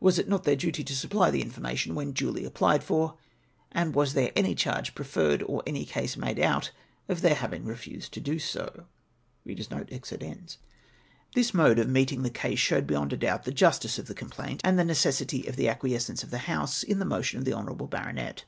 Was it not their duty to supply the information when duly applied for ; and was there any charge preferred, or any case made out, of their having refused to do so ?" This mode of meeting the case showed, beyond a doubt, the justice of the complaint and the necessity for the acquiescence of the House in the motion of the honourable baronet.